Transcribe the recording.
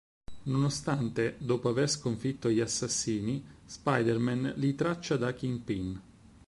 Nonostante, dopo aver sconfitto gli assassini, Spider-Man li traccia da Kingpin.